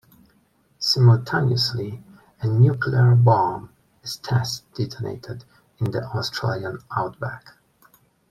Simultaneously a nuclear bomb is test detonated in the Australian outback.